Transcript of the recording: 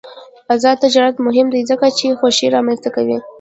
آزاد تجارت مهم دی ځکه چې خوښي رامنځته کوي.